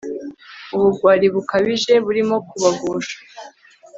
Ubugwari bukabije burimo kubagusha